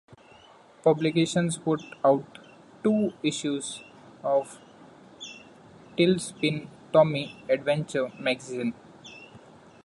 Publications put out two issues of "Tailspin Tommy Adventure Magazine".